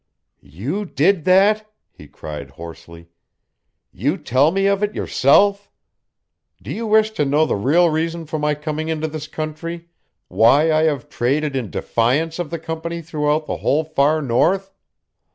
"You did that," he cried, hoarsely. "You tell me of it yourself? Do you wish to know the real reason for my coming into this country, why I have traded in defiance of the Company throughout the whole Far North?